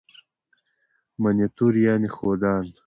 منیټور یعني ښودان.